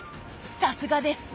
さすがです。